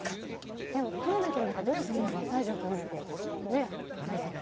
でも友部くんだって努力すれば西条くんよりも。ねえ甲斐さん。